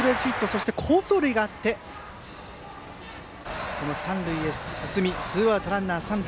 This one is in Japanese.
そして好走塁があって三塁へ進みツーアウトランナー、三塁。